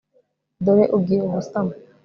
dore ugiye gusama